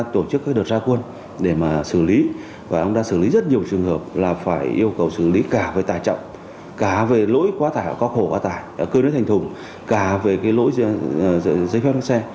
chúng tôi đã tổ chức các đợt ra quân để mà xử lý và ông đã xử lý rất nhiều trường hợp là phải yêu cầu xử lý cả về tài trọng cả về lỗi quá tài có khổ quá tài cơi nới thành thùng cả về cái lỗi giấy phép lái xe